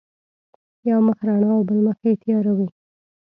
یو مخ رڼا او بل مخ یې تیار وي.